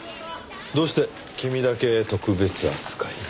どうして君だけ特別扱いなの？